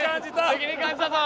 責任感じたぞ。